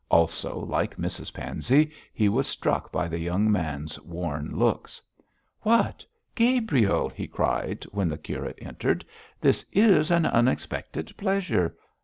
Also, like Mrs Pansey, he was struck by the young man's worn looks. 'What! Gabriel,' he cried, when the curate entered, 'this is an unexpected pleasure.